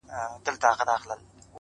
قلندر پر کرامت باندي پښېمان سو،